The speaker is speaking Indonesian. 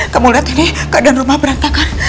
kamu lihat ini keadaan rumah berantakan